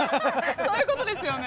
そういう事ですよね。